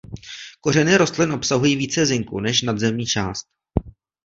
Kořeny rostlin obsahují více zinku než nadzemní část.